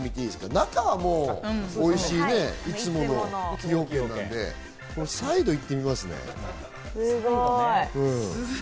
中はもうおいしい、いつもの崎陽軒なんで、サイド行ってみますね。